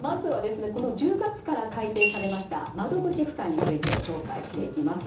この１０月から改定されました窓口負担について紹介していきます。